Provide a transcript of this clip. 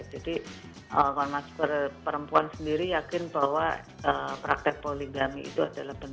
jadi komnas perempuan sendiri yakin bahwa praktek poligami itu adalah berat